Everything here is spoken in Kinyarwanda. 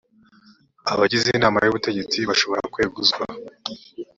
abagize inama y’ubutegetsi bashobora kweguzwa